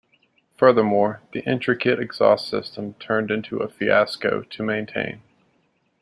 Furthermore, the intricate exhaust system turned into a fiasco to maintain.